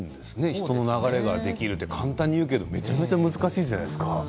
人の流れができるって簡単に言うけれど、めちゃめちゃ難しいじゃないですか。